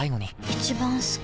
一番好き